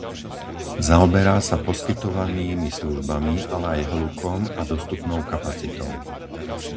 Zaoberá sa poskytovanými službami, ale aj hlukom a dostupnou kapacitou.